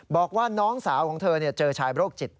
บอกว่าน้องสาวของเธอเจอชายโรคจิต